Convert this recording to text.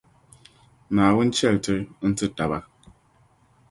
Naawuni chɛli ti n-ti taba.